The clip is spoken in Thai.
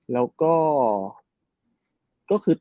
แล้วก็